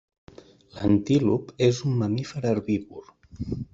L'antílop és un mamífer herbívor.